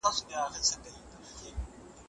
خپل کور په شنو بوټو ښکلی کړئ.